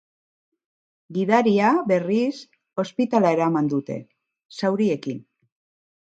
Gidaria, berriz, ospitalera eraman dute, zauriekin.